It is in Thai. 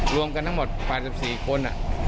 รวมกันทั้งหมด๘๔คน